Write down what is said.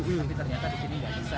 tapi ternyata disini gak bisa